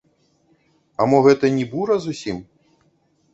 А мо гэта не бура зусім?